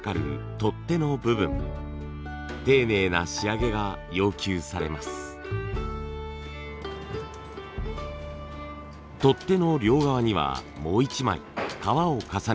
取っ手の両側にはもう一枚革を重ねて縫い合わせます。